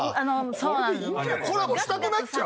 コラボしたくなっちゃう。